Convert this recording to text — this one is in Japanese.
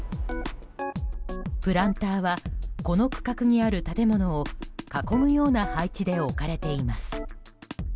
プランターはこの区画にある建物を囲むような配置で置かれています。